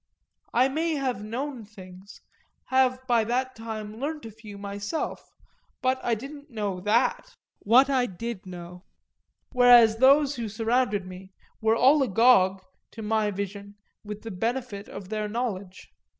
I may have known things, have by that time learnt a few, myself, but I didn't know that what I did know; whereas those who surrounded me were all agog, to my vision, with the benefit of their knowledge.